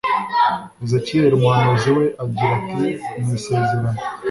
ezekiyeli umuhanuzi we agira ati ni isezerano